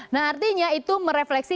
nah artinya itu merefleksi